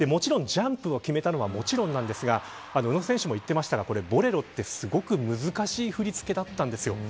もちろんジャンプを決めたのはもちろんですが宇野選手も言っていましたがボレロってすごく難しい振り付けだったんです。